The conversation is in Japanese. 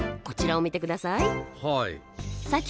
こちらを見て下さい。